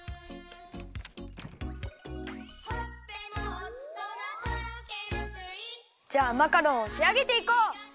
「ほっぺもおちそなとろけるスイーツ」じゃあマカロンをしあげていこう！